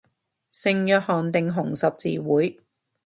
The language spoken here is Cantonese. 聖約翰定紅十字會